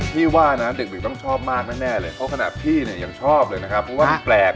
ที่ว่านะเด็กต้องชอบมากแน่เลยเพราะขนาดพี่เนี่ยยังชอบเลยนะครับเพราะว่านี่แปลก